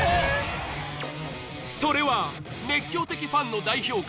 それは熱狂的ファンの代表格